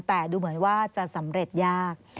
แต่ดูเหมือนว่าจะสำเร็จยาก